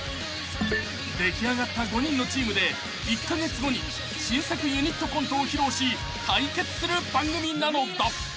［出来上がった５人のチームで１カ月後に新作ユニットコントを披露し対決する番組なのだ］